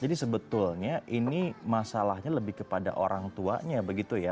jadi sebetulnya ini masalahnya lebih kepada orang tuanya begitu ya